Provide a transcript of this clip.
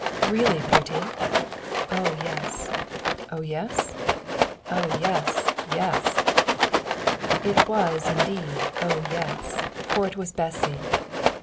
"Really pretty?" "Oh yes!" "Oh yes?" "Oh yes, yes!" It was indeed "oh yes!" for it was Bessy.